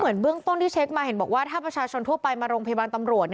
เบื้องต้นที่เช็คมาเห็นบอกว่าถ้าประชาชนทั่วไปมาโรงพยาบาลตำรวจ